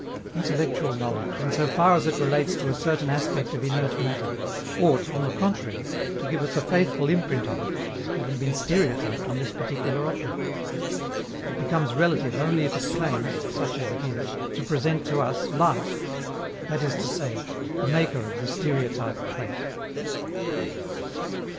Intellectual knowledge, in so far as it relates to a certain aspect of inert matter, ought, on the contrary, to give us a faithful imprint of it, having been stereotyped on this particular object. It becomes relative only if it claims, such as it is, to present to us life that is to say, the maker of the stereotype plate.